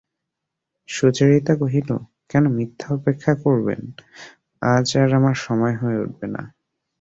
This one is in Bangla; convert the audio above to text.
সুচরিতা কহিল, কেন মিথ্যা অপেক্ষা করবেন, আজ আর সময় হয়ে উঠবে না।